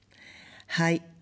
はい。